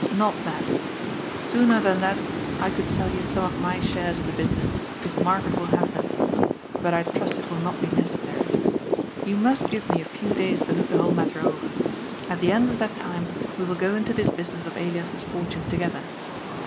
Not that. Sooner than that I could sell you some of my shares in the business, if Margaret will have them. But I trust it will not be necessary. You must give me a few days to look the whole matter over. At the end of that time, we will go into this business of Elias's fortune together.